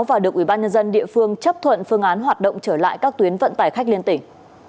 và được ubnd địa phương chấp thuận phương án hoạt động trở lại các tuyến vận tải khách liên tỉnh